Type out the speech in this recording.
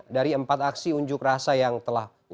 dari empat aksi unjuk rasa yang telah berlangsung